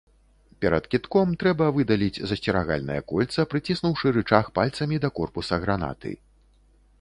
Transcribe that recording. Перад кідком трэба выдаліць засцерагальнае кольца, прыціснуўшы рычаг пальцамі да корпуса гранаты.